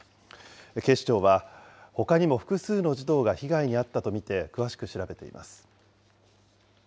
警視庁は、ほかにも複数の児童が被害に遭ったと見て詳しく調べています。